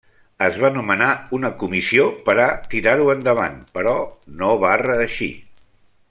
Es va nomenar una comissió per a tirar-ho endavant, però no va reeixir.